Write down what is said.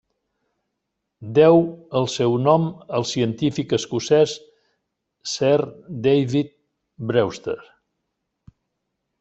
Deu el seu nom al científic escocès, Sir David Brewster.